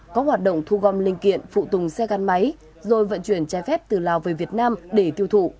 có hoạt động thu gom linh kiện phụ tùng xe gắn máy rồi vận chuyển trái phép từ lào về việt nam để tiêu thụ